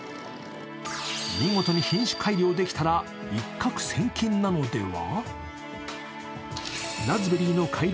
見事に品種改良できたら一獲千金なのでは？